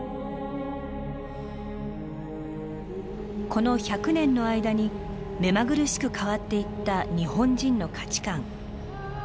この１００年の間に目まぐるしく変わっていった日本人の価値観。